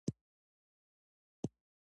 فضل الحق فاروقي ښه پیل کوي.